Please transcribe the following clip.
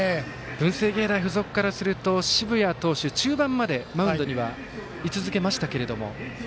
文星芸大付属からすると澁谷投手中盤まで、マウンドにはい続けましたけども。